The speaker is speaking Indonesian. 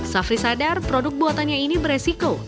safri sadar produk buatannya ini beresiko